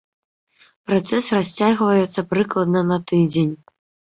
Працэс расцягваецца прыкладна на тыдзень.